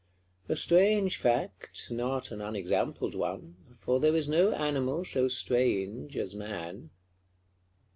A strange fact, not an unexampled one; for there is no animal so strange as man.